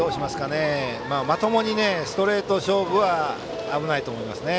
まともにストレート勝負は危ないと思いますね。